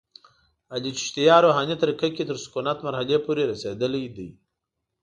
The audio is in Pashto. علي چشتیه روحاني طریقه کې تر سکونت مرحلې پورې رسېدلی دی.